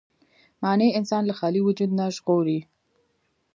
معنی انسان له خالي وجود نه ژغوري.